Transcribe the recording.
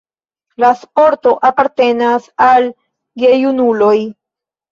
La sporto apartenas al gejunuloj.